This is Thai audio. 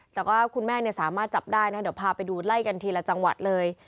แต่ว่าคุณแม่สามารถจับได้นะเดี๋ยวพาไปดูไล่กันทีละจังหวัดเลย